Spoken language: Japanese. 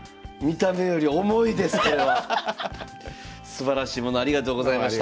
すばらしいものありがとうございました。